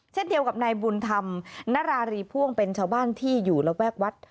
เช่นเดียวกับนายบุญธรรมนรารีพ่วงเป็นชาวบ้านที่อยู่ระแวกวัด